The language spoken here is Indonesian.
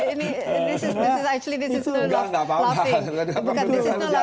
ini sebenarnya tidak berguna